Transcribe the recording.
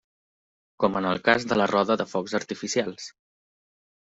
Com en el cas de la roda de focs artificials.